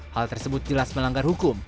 hal tersebut jelas melanggar hukum